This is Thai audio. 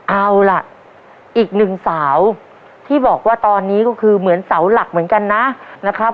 เอาล่ะอีกหนึ่งสาวที่บอกว่าตอนนี้ก็คือเหมือนเสาหลักเหมือนกันนะครับ